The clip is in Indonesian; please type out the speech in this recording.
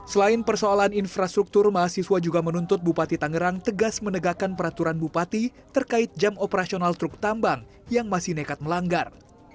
selain persoalan infrastruktur mahasiswa juga menuntut bupati tangerang tegas menegakkan peraturan bupati terkait jam operasional truk tambang yang masih nekat melanggar